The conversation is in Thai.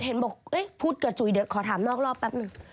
เห็นบอกพูดกับจุ๋ยเดี๋ยวขอถามนอกรอบแป๊บหนึ่ง